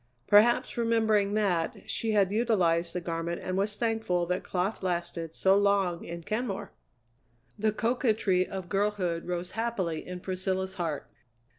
Perhaps remembering that, she had utilized the garment and was thankful that cloth lasted so long in Kenmore! The coquetry of girlhood rose happily in Priscilla's heart.